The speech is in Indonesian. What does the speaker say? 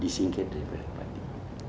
disingkir dari partai